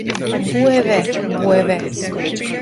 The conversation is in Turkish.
Bu eve, bu eve!